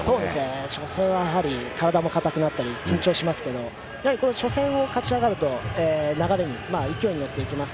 初戦は体も硬くなったり緊張しますけど、初戦を勝ち上がると勢いにのっていけます。